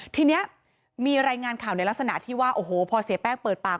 ทีนี้มีรายงานข่าวในลักษณะที่ว่าโอ้โหพอเสียแป้งเปิดปาก